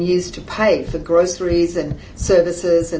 untuk perusahaan dan perusahaan